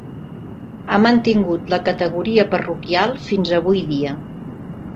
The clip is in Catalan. Ha mantingut la categoria parroquial fins avui dia.